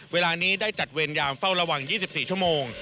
เวลานี้ได้จัดเวรยามเฝ้าระวัง๒๔ชั่วโมง